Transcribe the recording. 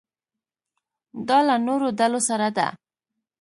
دا له نورو ډلو سره ده.